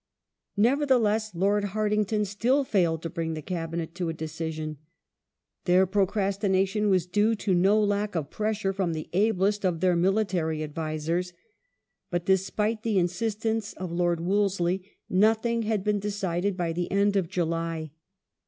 Nevertheless, Lord Hartington still failed to bring the Cabinet to a decision. Their procrastination was due to no lack of pressure from the ablest of their military advisers ; but despite the insis tence of Lord Wolseley, nothing had been decided by the end of July.